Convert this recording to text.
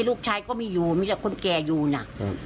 ลูกชายก็มีอยู่มีแต่คนแก่อยู่นะ